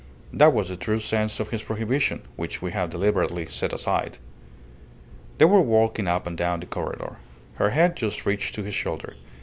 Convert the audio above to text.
That was the true sense of his prohibition, which we have deliberately set aside." They were walking up and down the corredor. Her head just reached to his shoulder.